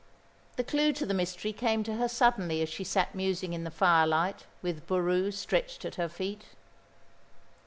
The clue to the mystery came to her suddenly as she sat musing in the firelight, with Boroo stretched at her feet.